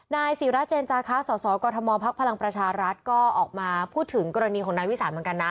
นายศิราเจนจาคะสสกมพักพลังประชารัฐก็ออกมาพูดถึงกรณีของนายวิสานเหมือนกันนะ